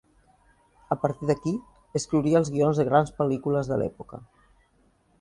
A partir d'aquí, escriuria els guions de grans pel·lícules de l'època.